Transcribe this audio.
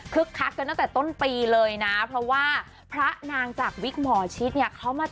คักกันตั้งแต่ต้นปีเลยนะเพราะว่าพระนางจากวิกหมอชิดเนี่ยเขามา